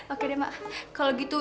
oke deh mak kalau gitu